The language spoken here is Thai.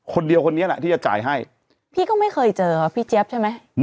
คนนี้แหละที่จะจ่ายให้พี่ก็ไม่เคยเจอพี่เจี๊ยบใช่ไหม